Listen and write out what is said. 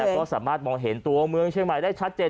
ก็สามารถมองเห็นตัวเมืองเชียงใหม่ได้ชัดเจน